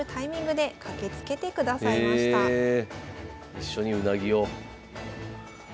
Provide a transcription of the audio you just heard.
一緒にうなぎを。